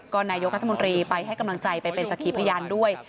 ก็นายกรัฐมนตรีไปให้กำลังใจไปเป็นสักขีพยานด้วย